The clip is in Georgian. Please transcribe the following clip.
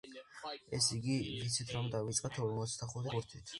ესე იგი, ვიცით, რომ დავიწყეთ ორმოცდახუთი ბურთით.